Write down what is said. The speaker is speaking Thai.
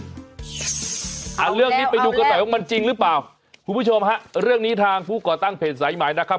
เอาแล้วเอาแล้วอ่าเรื่องนี้ไปดูก็แต่ว่ามันจริงหรือเปล่าผู้ผู้ชมฮะเรื่องนี้ทางผู้ก่อตั้งเพจสายหมายนะครับ